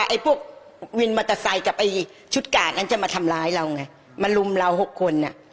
ไอ้พวกวินมอเตอร์ไซค์กับไอ้ชุดกาดนั้นจะมาทำร้ายเราไงมาลุมเราหกคนอ่ะ